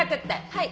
はい。